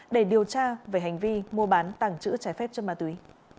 để điều tra về hành vi mua bán tăng trữ trái phép cho ma túy